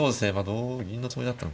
同銀のつもりだったのかな。